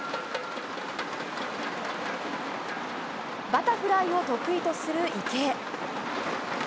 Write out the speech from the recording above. バタフライを得意とする池江。